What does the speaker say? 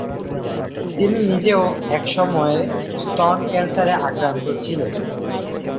তিনি নিজেও একসময়ে স্তন ক্যান্সারে আক্রান্ত ছিলেন।